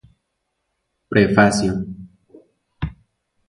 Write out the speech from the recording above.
Prefacio